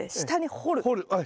掘る。